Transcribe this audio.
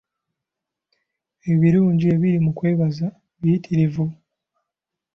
Ebirungi ebiri mu kwebaza biyitirivu.